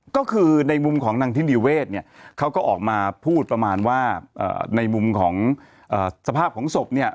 ก็คือในมุมของนางทินีเวศเนี่ยเขาก็ออกมาพูดประมาณว่าในมุมของสภาพของศพเนี่ย